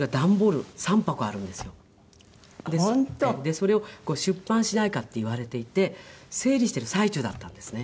それを出版しないかって言われていて整理している最中だったんですね。